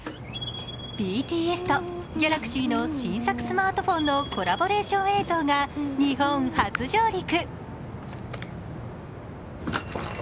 ＢＴＳとギャラクシーの新作スマートフォンのコラボレーション映像が日本初上陸。